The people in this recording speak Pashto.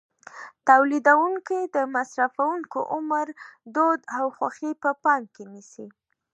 تولیدوونکي د مصرفوونکو عمر، دود او خوښې په پام کې نیسي.